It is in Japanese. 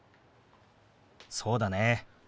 そうだね。